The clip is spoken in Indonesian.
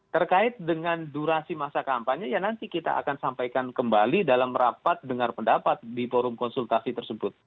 terkait dengan durasi masa kampanye ya nanti kita akan sampaikan kembali dalam rapat dengar pendapat di forum konsultasi tersebut